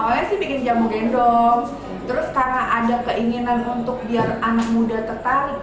awalnya sih bikin jamu gendong terus karena ada keinginan untuk biar anak muda tertarik